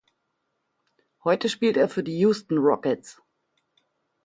Heute spielt er für die Houston Rockets.